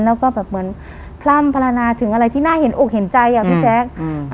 แล้วก็แบบเหมือนพร่ำพลนาถึงอะไรที่น่าเห็นอกเห็นใจอ่ะพี่แจ๊คอืม